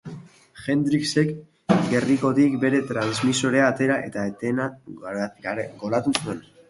Hendricksek gerrikotik bere transmisorea atera, eta antena goratu zuen.